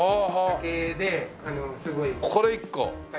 これ１個。